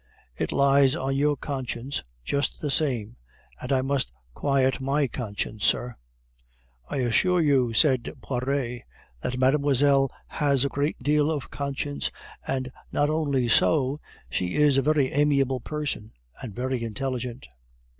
It lies on your conscience just the same, and I must quiet my conscience, sir." "I assure you," said Poiret, "that mademoiselle has a great deal of conscience, and not only so, she is a very amiable person, and very intelligent."